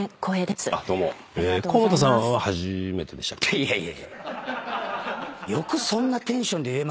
いやいやいやいや。